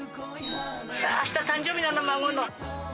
あした誕生日なの、孫の。